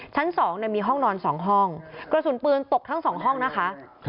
ชั้น๒มีห้องนอน๒ห้องกระสุนปืนตกทั้ง๒ห้องนะคะ